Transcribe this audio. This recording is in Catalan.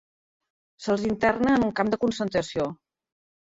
Se'ls interna en un camp de concentració.